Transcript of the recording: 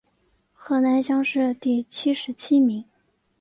河南乡试第七十七名。